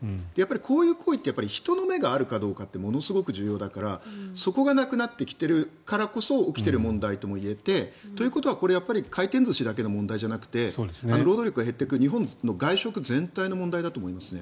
こういう行為って人の目があるかどうかがものすごく重要だからそこがなくなってきているからこそ起きている問題とも言えてということは、これは回転寿司だけの問題じゃなくて労働力が減っていく日本の外食全体の問題だと思いますね。